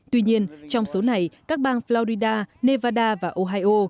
tuy nhiên trong số này các bang florida nevada và ohio